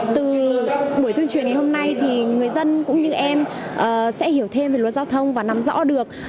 từ buổi tuyên truyền ngày hôm nay thì người dân cũng như em sẽ hiểu thêm về luật giao thông và nắm rõ được